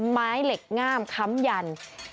ไม้เหล็กงาบคำหยั่น